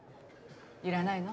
いらないの？